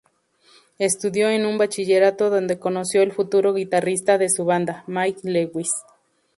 Estudió en un bachillerato donde conoció al futuro guitarrista de su banda, Mike Lewis.